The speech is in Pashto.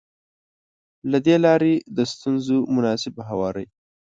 له دې لارې د ستونزو مناسب هواری.